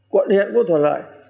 quận huyện cũng thuận lợi